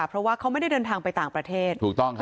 เพราะว่าเขาไม่ได้เดินทางไปต่างประเทศถูกต้องครับ